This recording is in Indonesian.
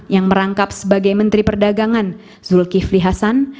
yang merangkap sebagai menteri perdagangan zulkifli hasan